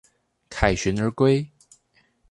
凱旋而歸